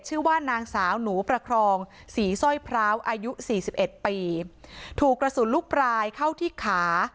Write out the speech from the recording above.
ชื่อว่านางสาวหนูประครองศรีสร้อยพร้าวอายุสี่สิบเอ็ดปีถูกกระสุนลูกปลายเข้าที่ขา